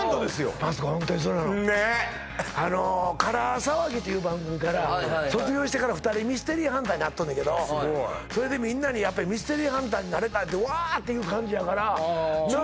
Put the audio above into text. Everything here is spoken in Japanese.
マツコホントにそうなのねっ「から騒ぎ」っていう番組から卒業してから２人ミステリーハンターになっとんねんけどそれでみんなにミステリーハンターになれたって「わ！」っていう感じやからなあ